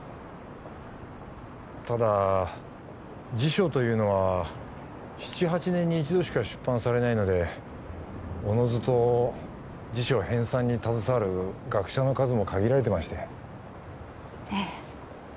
ただ辞書というのは７８年に一度しか出版されないのでおのずと辞書編纂に携わる学者の数も限られてましてええ